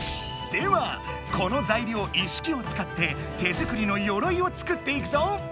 ではこの材料一式を使って手作りのよろいを作っていくぞ！